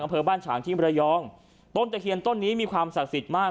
อำเภอบ้านฉางที่มรยองต้นตะเคียนต้นนี้มีความศักดิ์สิทธิ์มาก